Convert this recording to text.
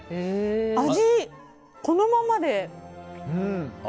味、このままで。